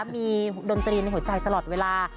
มีดนตรีในหัวใจตลอดเวลา